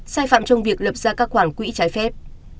sai phạm trong việc lập ra các khoản quỹ trái phép